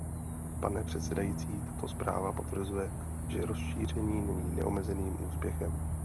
Pane předsedající, tato zpráva potvrzuje, že rozšíření není neomezeným úspěchem.